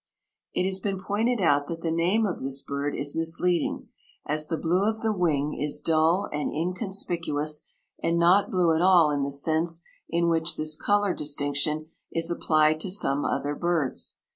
It has been pointed out that the name of this bird is misleading, as the blue of the wing is dull and inconspicuous, and not blue at all in the sense in which this color distinction is applied to some other birds.